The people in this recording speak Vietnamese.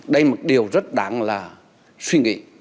đây là một điều rất đáng là suy nghĩ